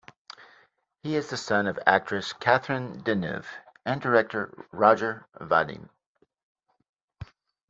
He is the son of actress Catherine Deneuve and director Roger Vadim.